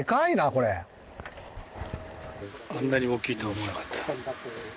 こんなに大きいとは思わなかった。